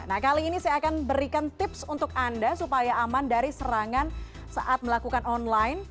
nah kali ini saya akan berikan tips untuk anda supaya aman dari serangan saat melakukan online